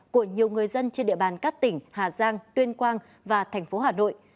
của nhiều người dân trên địa bàn các tỉnh hà giang tuyên quang và thành phố hà nội